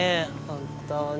本当に。